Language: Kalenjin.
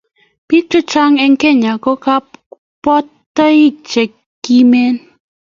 biik chechang eng kenya ko kabotit chekimen